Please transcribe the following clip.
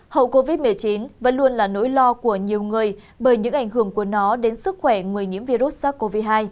hậu covid một mươi chín vẫn luôn là nỗi lo của nhiều người bởi những ảnh hưởng của nó đến sức khỏe người nhiễm virus sars cov hai